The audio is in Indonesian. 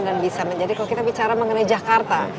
dan bisa menjadi kalau kita bicara mengenai jakarta